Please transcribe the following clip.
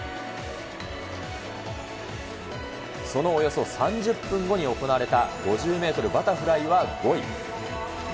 そのおよそ３０分後に行われた５０メートルバタフライは５位。